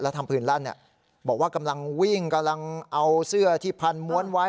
ทำปืนลั่นบอกว่ากำลังวิ่งกำลังเอาเสื้อที่พันม้วนไว้